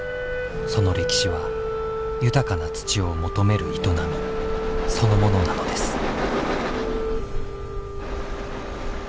その歴史は豊かな土を求める営みそのものなのです。